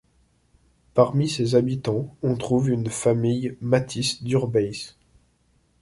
Parmi ces habitants on trouve une famille Mathis d'Urbeis.